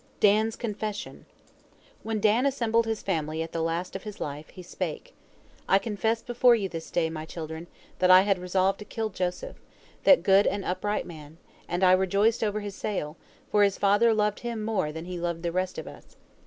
DAN'S CONFESSION When Dan assembled his family at the last of his life, he spake: "I confess before you this day, my children, that I had resolved to kill Joseph, that good and upright man, and I rejoiced over his sale, for his father loved him more than he loved the rest of us.